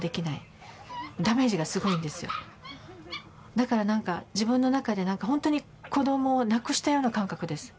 だからなんか自分の中で本当に子どもを亡くしたような感覚です。